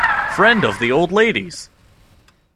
Friend of the old lady's.